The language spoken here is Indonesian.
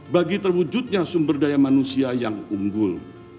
bagi terwujudnya sumber daya manusia yang unggul